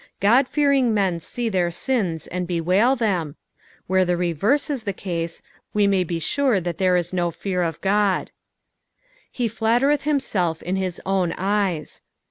God fearing men see their sins and bewail them, where the reverse is the case we may be sure there ia no fear of Ood. "He flattereth him»e/f in hit own eyee."